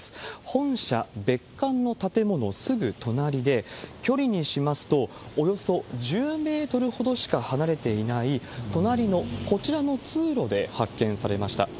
本社別館の建物すぐ隣で、距離にしますと、およそ１０メートルほどしか離れていない、隣のこちらの通路で発見されました。